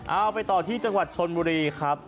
เอาไปต่อที่จังหวัดชนบุรีครับ